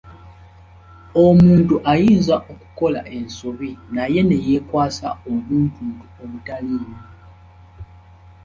Omuntu ayinza okukola ensobi naye neyeekwasa obuntuntu obutaliimu.